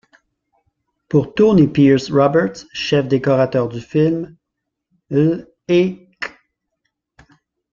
Pour Tony Pierce-Roberts, chef décorateur du film, l' et qu'.